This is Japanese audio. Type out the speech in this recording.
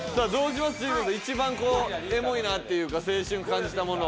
千里子さん一番こうエモいなっていうか青春感じたもの。